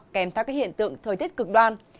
kèm theo các hiện tượng thời tiết cực đoan